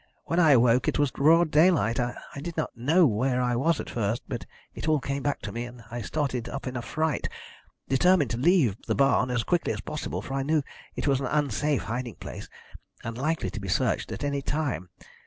When I awoke it was broad daylight. I did not know where I was at first, but it all came back to me, and I started up in a fright, determined to leave the barn as quickly as possible, for I knew it was an unsafe hiding place, and likely to be searched at any time.